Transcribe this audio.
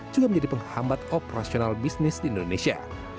juga menjadi penghambat operasional bisnis di indonesia